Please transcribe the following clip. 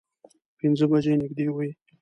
پینځه بجې نږدې وې.